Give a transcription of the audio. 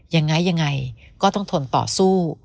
ยังไงก็ต้องทนต่อสู้